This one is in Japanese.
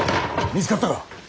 見つかったか。